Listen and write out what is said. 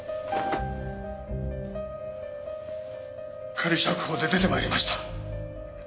仮釈放で出てまいりました！